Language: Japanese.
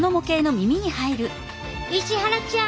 石原ちゃん